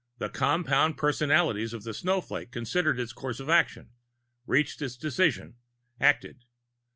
_ The compound personality of the snowflake considered its course of action, reached its decision, acted.